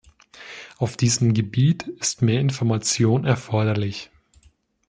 Auf diesem Gebiet ist mehr Information erforderlich.